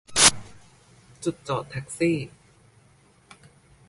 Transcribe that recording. จุดจอดแท็กซี่